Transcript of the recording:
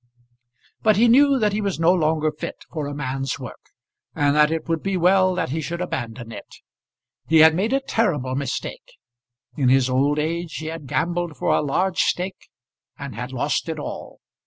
But he knew that he was no longer fit for a man's work, and that it would be well that he should abandon it. He had made a terrible mistake. In his old age he had gambled for a large stake, and had lost it all.